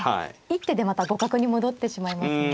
一手でまた互角に戻ってしまいますよね。